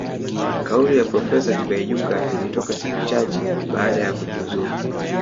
Kauli ya Profesa Tibaijuka ilitoka siku chache baada ya kujiuzulu